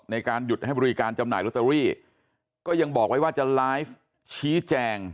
ในการหยุดให้บริการจำหน่ายลอตเตอรี่ก็ยังบอกไว้ว่าจะไลฟ์ชี้แจง